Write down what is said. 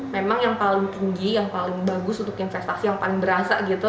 memang yang paling tinggi yang paling bagus untuk investasi yang paling berasa gitu